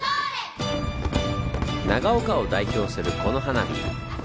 長岡を代表するこの花火。